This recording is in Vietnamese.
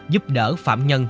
giúp đỡ phạm nhân